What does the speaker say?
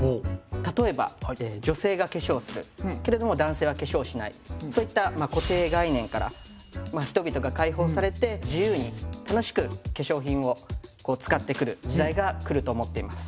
例えば女性が化粧するけれども男性は化粧しないそういった固定概念から人々が解放されて自由に楽しく化粧品を使ってくる時代が来ると思っています。